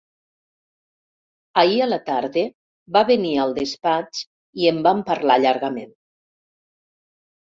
Ahir a la tarda va venir al despatx i en vam parlar llargament.